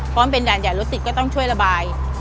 พร้อมเป็นด่านจ่ายรถติดก็ต้องช่วยระบาย